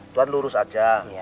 tuhan lurus aja